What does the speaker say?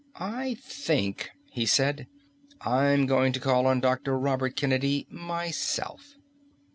"I think," he said, "I'm going to call on Dr. Robert Kennedy myself."